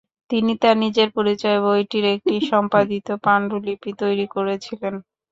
তিনি তাঁর নিজের পরিচয়ে বইটির একটি সম্পাদিত পান্ডুলিপি তৈরি করেছিলেন।